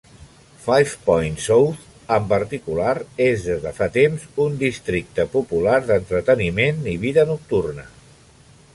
Five Points South en particular és des de fa temps un districte popular d'entreteniment i vida nocturna.